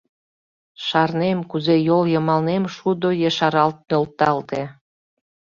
Шарнем, кузе йол йымалнем шудо ешаралт нӧлталте.